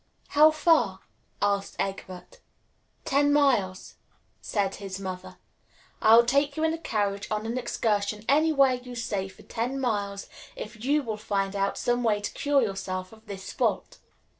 "How far?" asked Egbert. "Ten miles," said his mother. "I will take you in a carriage on an excursion anywhere you say, for ten miles, if you will find out some way to cure yourself of this fault."